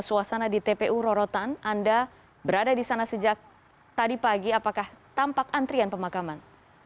suasana di tpu rorotan anda berada di sana sejak tadi pagi apakah tampak antrian pemakaman